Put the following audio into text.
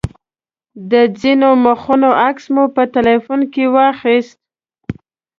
د ځینو مخونو عکس مې په تیلفون کې واخیست.